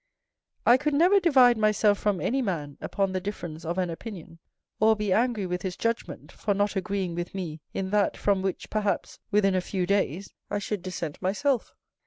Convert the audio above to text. I could never divide myself from any man upon the difference of an opinion, or be angry with his judgment for not agreeing with me in that from which, perhaps, within a few days, I should dissent myself.